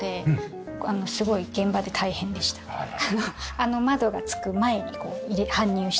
あの窓がつく前に搬入したりして。